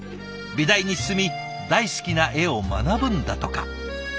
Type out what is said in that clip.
美大に進み大好きな絵を学ぶんだとか。